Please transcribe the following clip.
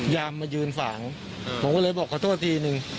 ยามมายืนฝางผมก็เลยบอกขอโทษทีนึง